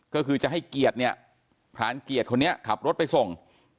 ก็คือจะให้เกียรติเนี่ยพรานเกียรติคนนี้ขับรถไปส่ง